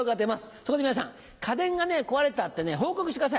そこで皆さん「家電が壊れた」って報告してください。